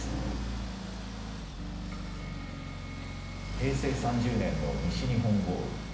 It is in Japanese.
平成３０年の西日本豪雨。